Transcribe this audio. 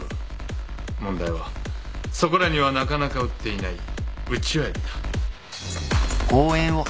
問題はそこらにはなかなか売っていないウチワエビだ。